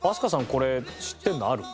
これ知ってるのある？